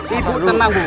ibu tenang bu